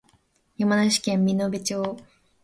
山梨県身延町